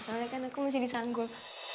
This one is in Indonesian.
soalnya kan aku mesti disanggul